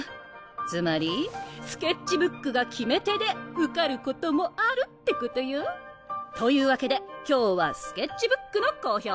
つまりスケッチブックが決め手で受かることもあるってことよ。というわけで今日はスケッチブックの講評。